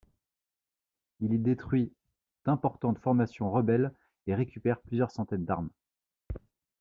Il y détruit d'importantes formations rebelles et récupère plusieurs centaines d'armes.